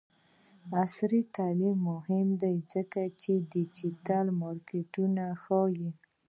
عصري تعلیم مهم دی ځکه چې د ډیجیټل مارکیټینګ ښيي.